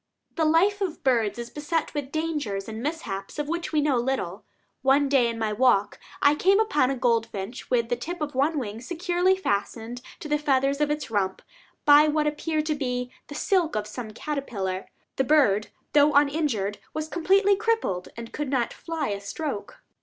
The life of birds is beset with dangers and mishaps of which we know little. One day, in my walk, I came upon a goldfinch with the tip of one wing securely fastened to the feathers of its rump, by what appeared to be the silk of some caterpillar. The bird, though uninjured, was completely crippled, and could not fly a stroke.